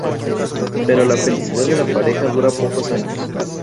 Pero la felicidad de la pareja dura pocos años.